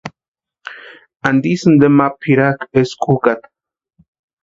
¿Antisï inteni ma pʼirakʼi eskwa ʼukataa?